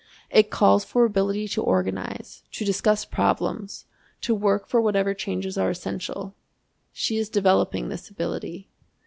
It calls for ability to organize, to discuss problems, to work for whatever changes are essential. She is developing this ability.